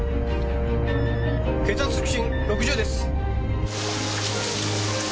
血圧触診６０です。